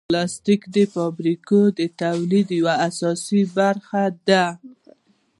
پلاستيک د فابریکو د تولید یوه اساسي برخه ده.